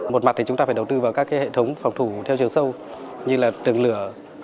một mặt thì chúng ta phải đầu tư vào các hệ thống phòng thủ theo chiều sâu như là tường lửa